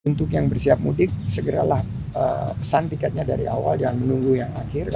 untuk yang bersiap mudik segeralah pesan tiketnya dari awal dan menunggu yang akhir